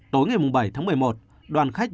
tối ngày bảy tháng một mươi một đoàn khách